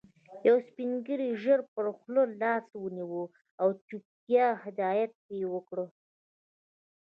يو سپين ږيري ژر پر خوله لاس ونيو او د چوپتيا هدایت يې وکړ.